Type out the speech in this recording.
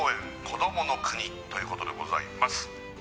こどもの国ということでございます